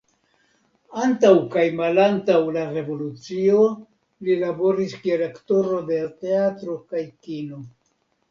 Antaŭ kaj malantaŭ la revolucio li laboris kiel aktoro de teatro kaj kino.